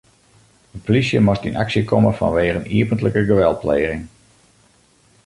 De polysje moast yn aksje komme fanwegen iepentlike geweldpleging.